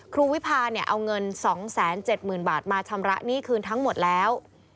วิพาเอาเงิน๒๗๐๐๐๐บาทมาชำระหนี้คืนทั้งหมดแล้ว